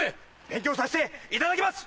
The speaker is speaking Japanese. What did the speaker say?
勉強させていただきます！